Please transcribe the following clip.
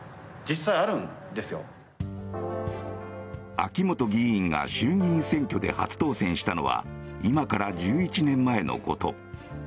秋本議員が衆議院選挙で初当選したのは今から１１年前のこと。